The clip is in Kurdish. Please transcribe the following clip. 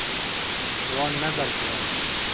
Wan nebersivand.